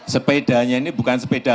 sepedanya ini bukan sepeda